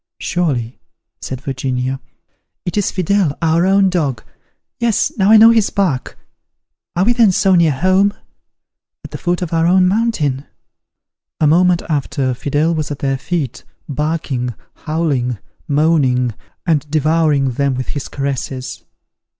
"Surely," said Virginia, "it is Fidele, our own dog: yes, now I know his bark. Are we then so near home? at the foot of our own mountain?" A moment after, Fidele was at their feet, barking, howling, moaning, and devouring them with his caresses.